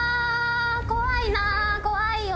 怖いな怖いよ。